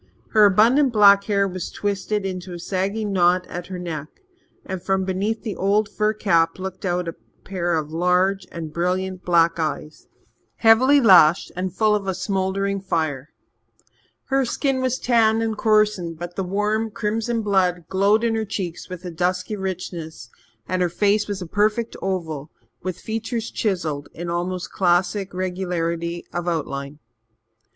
Her abundant black hair was twisted into a sagging knot at her neck, and from beneath the old fur cap looked out a pair of large and brilliant black eyes, heavily lashed, and full of a smouldering fire. Her skin was tanned and coarsened, but the warm crimson blood glowed in her cheeks with a dusky richness, and her face was a perfect oval, with features chiselled in almost classic regularity of outline.